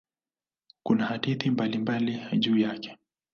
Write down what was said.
Kuna hadithi mbalimbali juu yake.